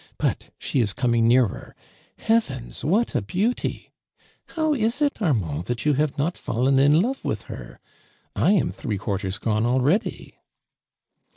But she is coming nearer ! Heavens, what a beauty ! How is it, Armand, that you have not fallen in love with her ? 1 am three quarters gone already